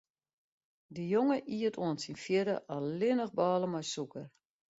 De jonge iet oant syn fjirde allinnich bôle mei sûker.